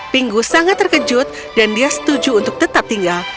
pinggu sangat terkejut dan dia setuju untuk tetap tinggal